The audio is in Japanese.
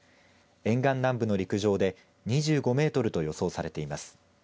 沿岸南部の陸上で２５メートルと予想されています。